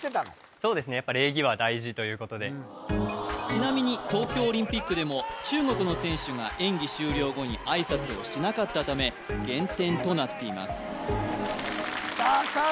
そうですねやっぱ礼儀は大事ということでちなみに東京オリンピックでも中国の選手が演技終了後に挨拶をしなかったため減点となっていますさあさあ